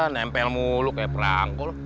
nempel mulu kayak perangkul